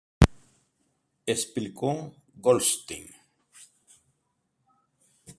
Explico Goldstein.